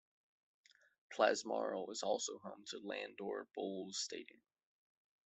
Plasmarl is also home to Landore Bowls Stadium.